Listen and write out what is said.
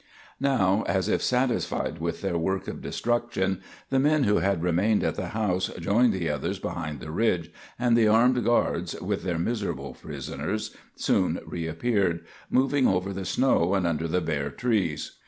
Now, as if satisfied with their work of destruction, the men who had remained at the house joined the others behind the ridge, and the armed guards, with their miserable prisoners, soon reappeared, moving over the snow under the bare trees.